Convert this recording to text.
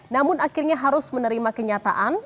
namun akhirnya harus menerima kenyataan